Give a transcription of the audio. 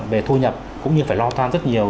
về thu nhập cũng như phải lo toan rất nhiều